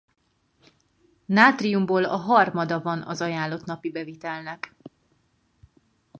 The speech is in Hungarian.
Nátriumból a harmada van az ajánlott napi bevitelnek.